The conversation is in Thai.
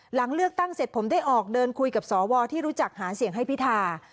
หลังเลือกตั้งเสร็จผมได้ออกเดินคุยกับสวที่รู้จักหาเสียงให้พิธา